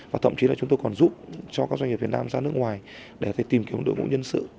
và thậm chí là chúng tôi còn giúp cho các doanh nghiệp việt nam ra nước ngoài để tìm kiếm đội ngũ nhân sự